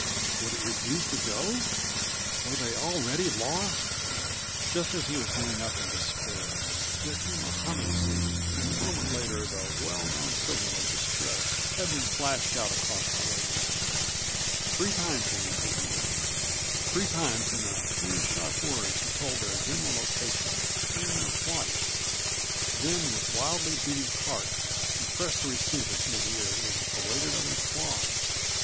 Would it refuse to go? Were they already lost? Just as he was giving up in despair, there came a humming sound and a moment later the well known signal of distress had been flashed out across the waves. Three times he repeated it. Three times in a few sharp words he told their general location and their plight. Then158 with wildly beating heart, he pressed the receivers to his ears and awaited a reply.